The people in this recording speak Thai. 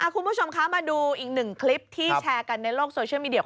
คุณผู้ชมคะมาดูอีกหนึ่งคลิปที่แชร์กันในโลกโซเชียลมีเดีย